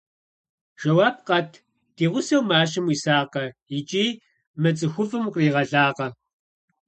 Жэуап къэт: ди гъусэу мащэм уисакъэ икӀи мы цӀыхуфӀым укъригъэлакъэ?